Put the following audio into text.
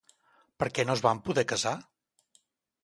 Per què no es van poder casar?